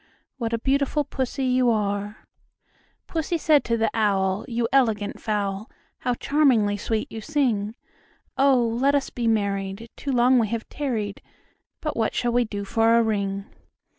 What a beautiful Pussy you are!" II. Pussy said to the Owl, "You elegant fowl, How charmingly sweet you sing! Oh! let us be married; too long we have tarried: But what shall we do for a ring?"